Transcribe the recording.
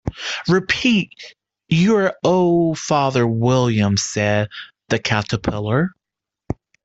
‘Repeat, “You are old, Father William,”’ said the Caterpillar.